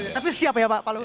tapi siapa ya pak pak luhut